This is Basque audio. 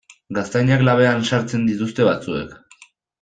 Gaztainak labean sartzen dituzte batzuek.